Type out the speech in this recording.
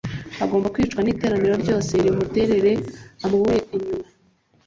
agomba kwicwa n Iteraniro ryose rimuterere amabuye inyuma